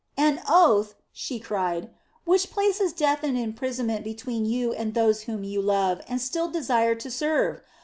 "An oath," she cried, "which places death and imprisonment between you and those whom you love and still desire to serve.